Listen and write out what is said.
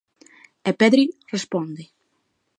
E Pedri responde.